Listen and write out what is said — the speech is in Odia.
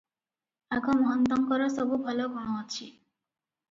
ଆଗ ମହନ୍ତଙ୍କର ସବୁ ଭଲ ଗୁଣ ଅଛି ।